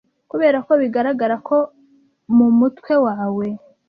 kubera ko bigaragara ko mumutwe wawe